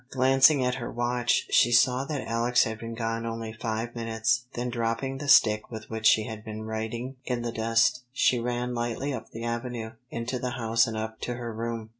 Glancing at her watch, she saw that Alex had been gone only five minutes. Then dropping the stick with which she had been writing in the dust, she ran lightly up the avenue, into the house and up to her room.